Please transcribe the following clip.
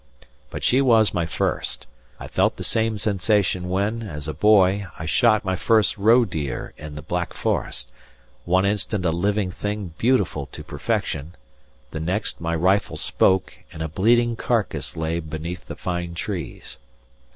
But she was my first; I felt the same sensation when, as a boy, I shot my first roe deer in the Black Forest, one instant a living thing beautiful to perfection, the next my rifle spoke and a bleeding carcase lay beneath the fine trees.